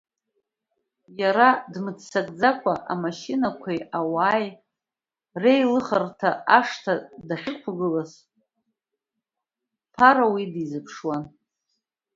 Иара дмыццакӡакәа амашьынақәеи ауааи реилыхарҭа ашҭа дахьықәгылаз, Ԥара уи дизыԥшуан.